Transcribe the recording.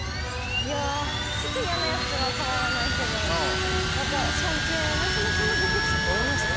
いやあちょっとイヤなヤツは変わらないけどなんか尊敬の気持ちも出てきました。